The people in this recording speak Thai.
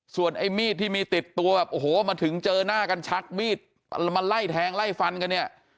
ส่วนไอ้มีดที่มีติดตัวแบบโอ้โหมาถึงเจอหน้ากันชักมีดมาไล่แทงไล่ฟันกันเนี่ย